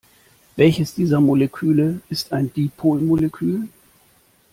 Welches dieser Moleküle ist ein Dipolmolekül?